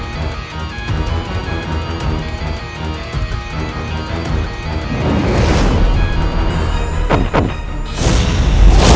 supaya setiap setiap jawabannya